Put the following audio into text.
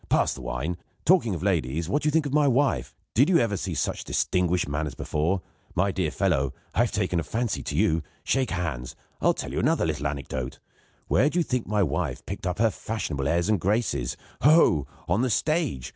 Pass the wine. Talking of ladies, what do you think of my wife? Did you ever see such distinguished manners before? My dear fellow, I have taken a fancy to you. Shake hands. I'll tell you another little anecdote. Where do you think my wife picked up her fashionable airs and graces? Ho! ho! On the stage!